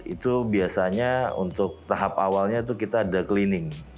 itu biasanya untuk tahap awalnya itu kita ada cleaning